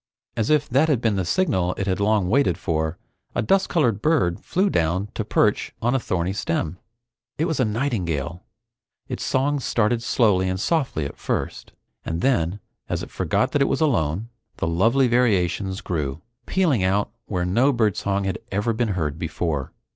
As if that had been the signal it had long waited for, a dust colored bird flew down to perch on a thorny stem. It was a nightingale. Its song started slowly and softly at first, and then, as it forgot that it was alone, the lovely variations grew, pealing out where no birdsong had ever been heard before.